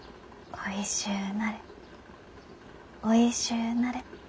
おいしゅうなれ。